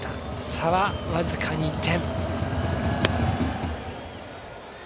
差は僅かに１点。